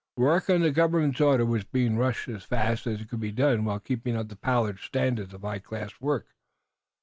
Work on the government's order was being rushed as fast as could be done while keeping up the Pollard standards, of high class work.